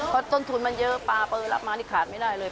เพราะต้นทุนมันเยอะปลาเปอร์รับมานี่ขาดไม่ได้เลย